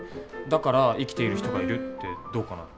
だから生きている人がいる」ってどうかな？